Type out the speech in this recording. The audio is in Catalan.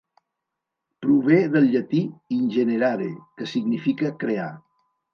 Prové del llatí "ingenerare", que significa "crear".